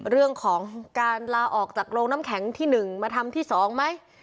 เรื่องของการลาออกจากโรงน้ำแข็งที่๑มาทำที่๒ไหม